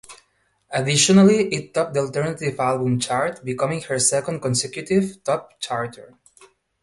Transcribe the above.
Additionally it topped the alternative album chart becoming her second consecutive top charter.